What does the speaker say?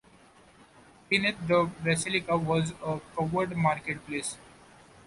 Beneath the basilica was a covered market place.